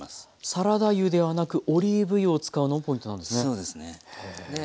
サラダ油ではなくオリーブ油を使うのもポイントなんですね。